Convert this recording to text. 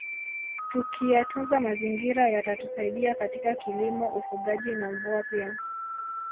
Tukiyatunza mazingira yatatusaidia katika kilimo ufugaji na mvua pia